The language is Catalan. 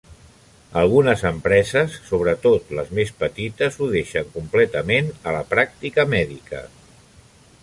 Algunes empreses, sobretot les més petites, ho deixen completament a la pràctica mèdica.